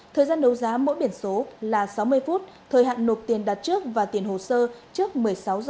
thời gian đấu giá mỗi biển số là sáu mươi phút thời hạn nộp tiền đặt trước và tiền hồ sơ trước một mươi sáu h ba mươi phút ngày hai mươi hai tháng chín